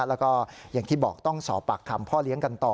แล้วก็อย่างที่บอกต้องสอบปากคำพ่อเลี้ยงกันต่อ